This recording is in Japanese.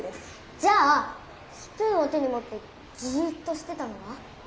じゃあスプーンを手に持ってじっとしてたのは？